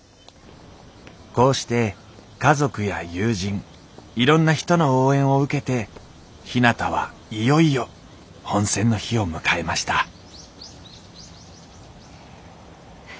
こうして家族や友人いろんな人の応援を受けてひなたはいよいよ本選の日を迎えました